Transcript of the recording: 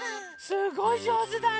すごいじょうずだね！